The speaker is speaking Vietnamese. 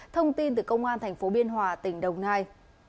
thông tin từ công an tp biên hòa tỉnh đồng nai